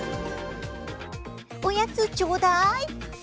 おやつ、ちょうだい。